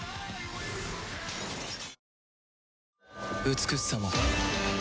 美しさも